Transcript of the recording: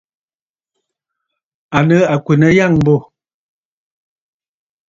À nɨ àkwènə̀ àyâŋmbô.